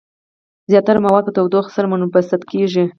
زیاتره مواد په تودوخې سره منبسط کیږي.